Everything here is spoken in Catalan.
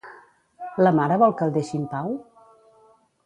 La mare vol que el deixi en pau?